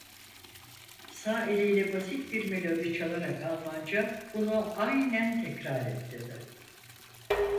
Sağ eliyle basit bir melodi çalarak Almanca: "Bunu aynen tekrar et!" dedi.